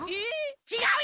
ちがうよ！